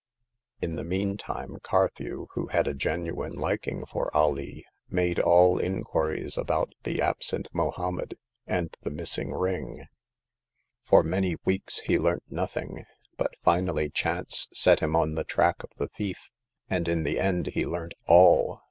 In the meantime Carthew, who had a genuine liking for Alee, made all inquiries about the 268 Hagar of the Pawn Shop. absent Mohommed and the missing ring. For many weeks he learnt nothing ; but finally chance set him on the track of the thief, and in the end he learnt all.